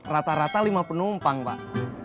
rata rata lima penumpang pak